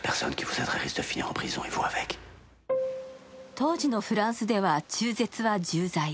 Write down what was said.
当時のフランスでは中絶は重罪。